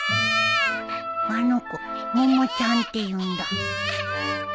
あの子ももちゃんっていうんだ。